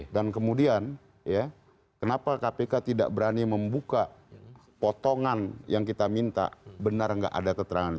dan kemudian ya kenapa kpk tidak berani membuka potongan yang kita minta benar nggak ada keterangan itu